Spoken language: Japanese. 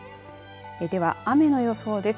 では、雨の予想です。